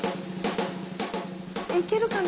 行けるかな？